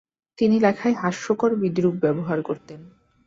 তিনি লোখায় হাস্যকর বিদ্রুপ ব্যবহার করতেন।